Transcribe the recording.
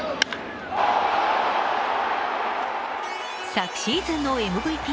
昨シーズンのＭＶＰ